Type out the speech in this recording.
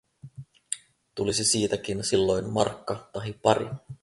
Tulisi siitäkin silloin markka tahi pari.